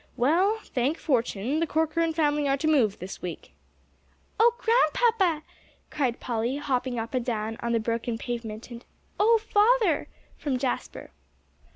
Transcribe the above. "Well, thank fortune, the Corcoran family are to move this week." "Oh, Grandpapa," cried Polly, hopping up and down on the broken pavement, and "Oh, father!" from Jasper.